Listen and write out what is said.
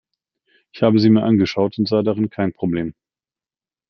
Ich habe sie mir angeschaut und sah darin kein Problem.